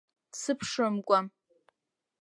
Сыԥшымкәа.